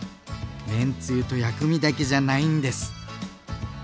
麺つゆと薬味だけじゃないんです。